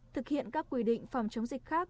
thực hiện các quy định phòng chống dịch khác